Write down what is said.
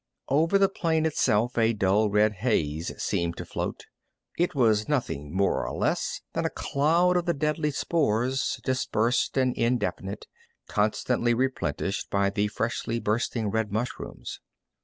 Over the plain itself a dull red haze seemed to float. It was nothing more or less than a cloud of the deadly spores, dispersed and indefinite, constantly replenished by the freshly bursting red mushrooms.